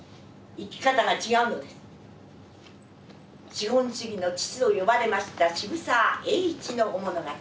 「資本主義の父」と呼ばれました渋沢栄一の物語